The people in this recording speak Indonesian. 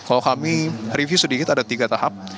kalau kami review sedikit ada tiga tahap